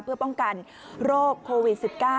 เพื่อป้องกันโรคโควิด๑๙